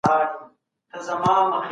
داود خان شوروي ته ولاړ.